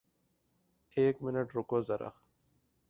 ایک منٹ رکو زرا